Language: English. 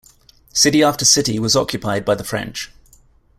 City after city was occupied by the French.